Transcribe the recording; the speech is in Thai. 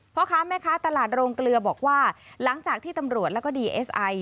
พ่อค้าแม่ค้าตลาดโรงเกลือบอกว่าหลังจากที่ตำรวจแล้วก็ดีเอสไอ